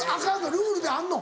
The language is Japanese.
ルールであんの？